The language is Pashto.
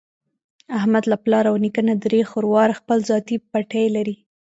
احمد له پلار او نیکه نه درې خرواره خپل ذاتي پټی لري.